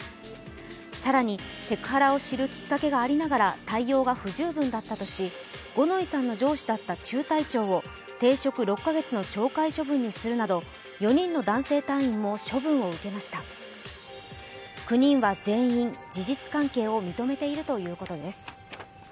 更に、セクハラを知るきっかけがありながら対応が不十分だったとし五ノ井さんの上司だった中隊長を停職６か月の懲戒処分にするなど４人の男性隊員も処分を受けました９人は全員、事実関係を認めているということです。